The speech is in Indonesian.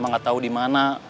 emang gak tau di mana